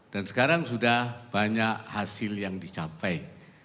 dan sekarang sudah banyak hasil yang dicapai